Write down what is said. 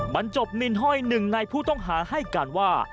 บรรจบมินห้อยหนึ่งในผู้ต้องหาให้การว่า